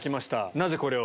なぜこれを？